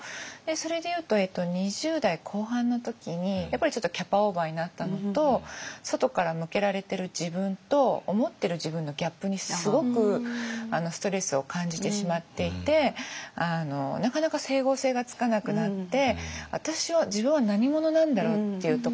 それでいうと２０代後半の時にやっぱりちょっとキャパオーバーになったのと外から向けられてる自分と思ってる自分のギャップにすごくストレスを感じてしまっていてなかなか整合性がつかなくなって。